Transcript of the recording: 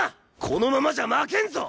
このままじゃ負けんぞ！？